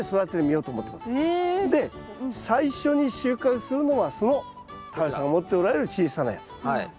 で最初に収穫するのはその太陽さんが持っておられる小さなやつ。